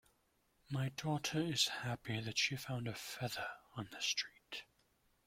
My daughter is happy that she found a feather on the street.